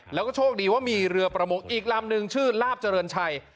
แล้วก็โชคดีว่ามีเรือประมงอีกลำนึงชื่อลาบเจริญชัย